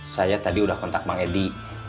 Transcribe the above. saya tadi sudah kontak bang edi